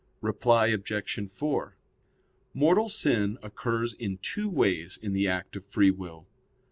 Reply Obj. 4: Mortal sin occurs in two ways in the act of free will.